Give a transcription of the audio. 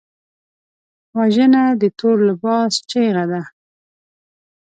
وژنه د تور لباس چیغه ده